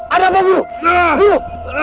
ada apa guru guru